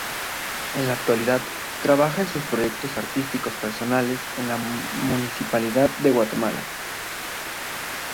En la actualidad, trabaja en sus proyectos artísticos personales en la municipalidad de Guatemala.